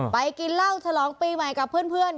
กินเหล้าฉลองปีใหม่กับเพื่อน